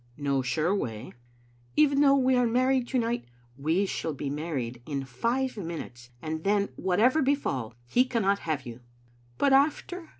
"No sure way." " Even though we are married to night " "We shall be maried in five minutes, and then, whatever befall, he cannot have you." " But after?"